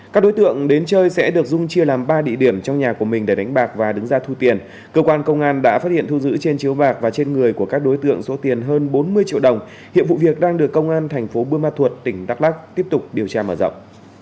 các đối tượng đến chơi sẽ được dung chia làm ba địa điểm trong nhà của mình để đánh bạc và đứng ra thu tiền cơ quan công an đã phát hiện thu giữ trên chiếu bạc và trên người của các đối tượng số tiền hơn bốn mươi triệu đồng hiện vụ việc đang được công an thành phố buôn ma thuột tỉnh đắk lắc tiếp tục điều tra mở rộng